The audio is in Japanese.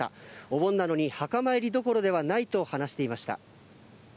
お盆なのに墓参りどころではないと話していました。